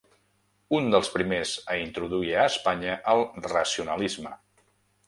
Un dels primers a introduir a Espanya el racionalisme.